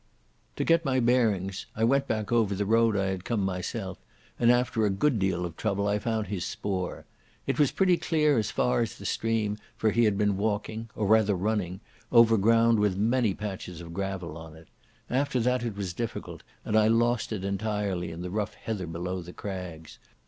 To get my bearings, I went back over the road I had come myself, and after a good deal of trouble I found his spoor. It was pretty clear as far as the stream, for he had been walking—or rather running—over ground with many patches of gravel on it. After that it was difficult, and I lost it entirely in the rough heather below the crags.